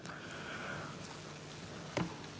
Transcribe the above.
bahwa seluruh kabupaten temanggung